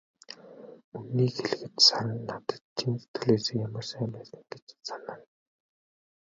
Үнэнийг хэлэхэд, Саран надад чин сэтгэлээсээ ямар сайн байсан гэж санана.